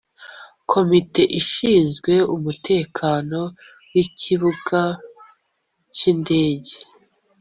komite ishinzwe umutekano w’ikibuga cy’indege